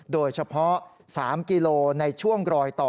โดยเฉพาะ๓กิโลในช่วงรอยต่อ